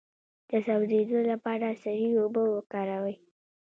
د سوځیدو لپاره سړې اوبه وکاروئ